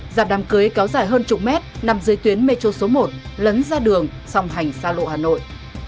dạp đám cưới kéo dài hơn chục mét nằm dưới tuyến metro số một lấn ra đường song hành xa lộ hà nội